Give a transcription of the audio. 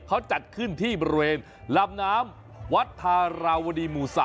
เขาจัดขึ้นที่บริเวณลำน้ำวัดธาราวดีหมู่๓